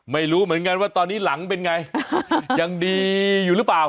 ไม่รู้เหมือนกันว่าตอนนี้หลังเป็นไงยังดีอยู่หรือเปล่า